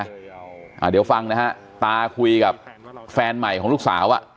เดี๋ยวฟังนะฮะตาคุยกับแฟนใหม่ของลูกสาวอ่ะ